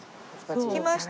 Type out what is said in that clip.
着きました。